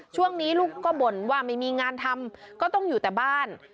ช่วงนี้ลูกก็บ่นว่าไม่มีงานทำก็ต้องอยู่แต่บ้าน